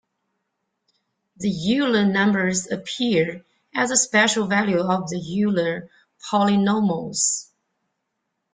The Euler numbers appear as a special value of the Euler polynomials.